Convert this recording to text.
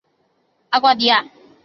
阿瓜迪亚。